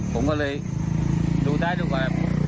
ผมก็เลยดูท้ายทุกขวา